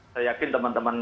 saya yakin teman teman